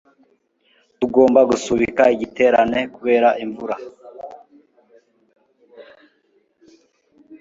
tugomba gusubika igiterane kubera imvura